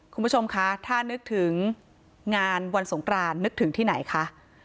คุณผู้ชมคะถ้านึกถึงงานวันสงกรานนึกถึงที่ไหนคะ